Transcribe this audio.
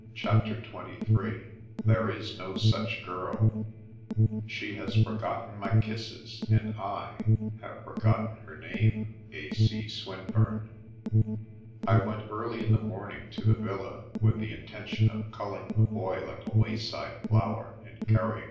CHAPTER XXIII XSbetc to no Sucb 0frl She has fon^otten my kisses, and I— have forgotten her name."— A. C. SwiNBUufs. I WENT early in the morning to the villa with the intention of culling the Boy like a wayside flower, and carrying.